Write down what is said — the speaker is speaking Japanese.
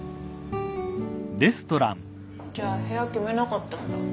じゃあ部屋決めなかったんだ。